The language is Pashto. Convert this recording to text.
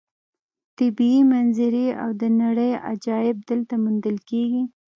طبیعي منظرې او د نړۍ عجایب دلته موندل کېږي.